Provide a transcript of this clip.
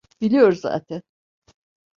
Biliyor zaten.